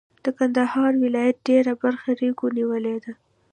د کندهار ولایت ډېره برخه ریګو نیولې ده.